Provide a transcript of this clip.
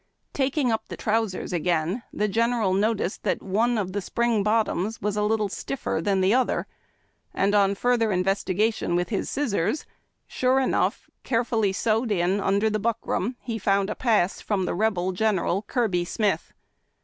Taking up the trousers again, the General noticed that one of the spring bottoms was a little stiffer than the other, and on further investigation with his scissors, sure enough, care fully sewed in under the buckram, found a pass from tlie Rebel General Kirby Smith.